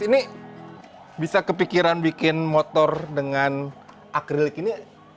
ini bisa kepikiran bikin motor dengan akrilik ini